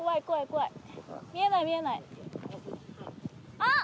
あっ！